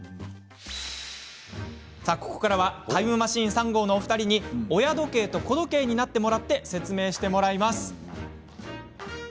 ここからはタイムマシーン３号のお二人に親時計と子時計になって説明してもらいましょう。